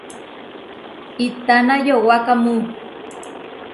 ¿Itána yowákamu?